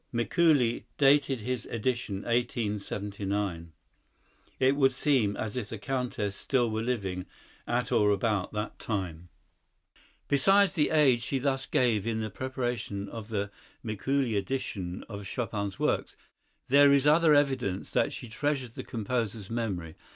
Mikuli dated his edition 1879. It would seem as if the Countess still were living at or about that time. Besides the aid she thus gave in the preparation of the Mikuli edition of Chopin's works, there is other evidence that she treasured the composer's memory.